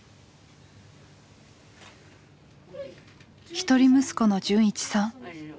一人息子の純一さん。